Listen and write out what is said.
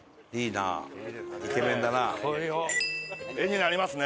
画になりますね！